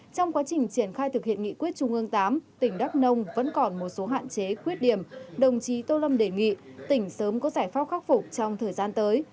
trong quá trình triển khai thực hiện nghị quyết trung ương viii tỉnh đắk nông vẫn còn một số hạn chế khuyết điểm đồng chí tô lâm đề nghị tỉnh sớm có giải pháp khắc phục trong thời gian tới